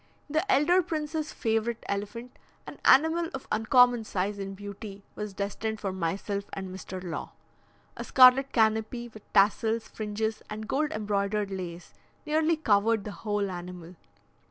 The elder prince's favourite elephant, an animal of uncommon size and beauty, was destined for myself and Mr. Law. A scarlet canopy, with tassels, fringes, and gold embroidered lace, nearly covered the whole animal.